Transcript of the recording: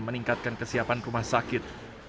meningkatkan kesiapan rumah sakit